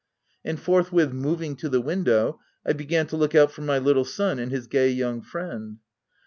^ And forthwith moving to the window, I began to look out for my little son and his gay young friend.